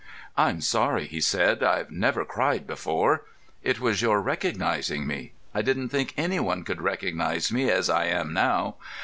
"I'm sorry," he said. "I've never cried before. It was your recognising me. I didn't think any one could recognise me as I am now.